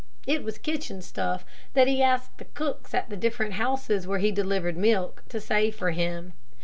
It was kitchen stuff that he asked the cooks at the different houses where he delivered milk, to save for him.